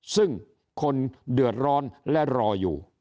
ซึ่งคนเดือดร้อนและรออยู่